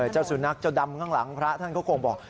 เจ้าสุนัขเจ้าดำข้างหลังพระท่านก็คงบอก